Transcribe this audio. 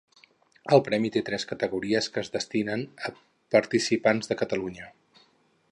El Premi té tres categories que es destinen a participants de Catalunya.